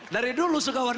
dari dulu suka warna kuning